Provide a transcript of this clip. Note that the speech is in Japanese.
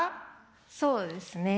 そうですね。